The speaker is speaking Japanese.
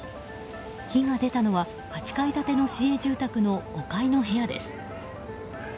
火が出たのは８階建ての市営住宅の５階の部屋です。